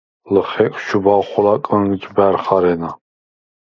ლჷხეკს ჩუბავ ხოლა კჷნჯბა̈რ ხა̈რენა.